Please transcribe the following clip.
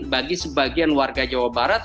bagi sebagian warga jawa barat